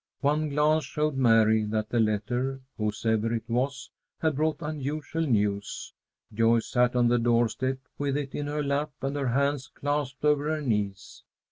One glance showed Mary that the letter, whosever it was, had brought unusual news. Joyce sat on the door step with it in her lap and her hands clasped over her knees.